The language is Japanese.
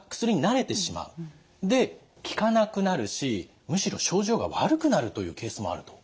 で効かなくなるしむしろ症状が悪くなるというケースもあると。